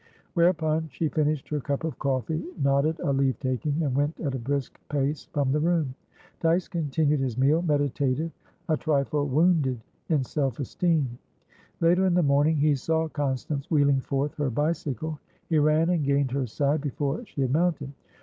Whereupon, she finished her cup of coffee, nodded a leave taking, and went at a brisk pace from the room. Dyce continued his meal, meditative, a trifle wounded in self esteem. Later in the morning, he saw Constance wheeling forth her bicycle. He ran, and gained her side before she had mounted.